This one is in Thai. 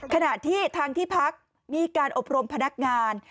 ขณะที่ทางที่พักมีการอบรมพนักงาน